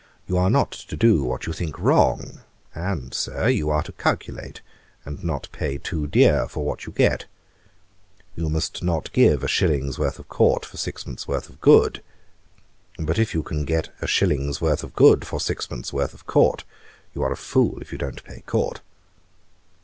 You are not to do what you think wrong; and, Sir, you are to calculate, and not pay too dear for what you get. You must not give a shilling's worth of court for six pence worth of good. But if you can get a shilling's worth of good for six pence worth of court, you are a fool if you do not pay court.'